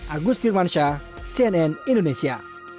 agus firman syah cnn indonesia